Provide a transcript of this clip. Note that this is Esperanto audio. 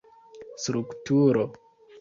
strukturo